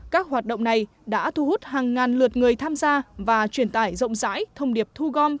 các hoạt động này đã thu hút hàng ngàn lượt người tham gia và truyền tải rộng rãi thông điệp thu gom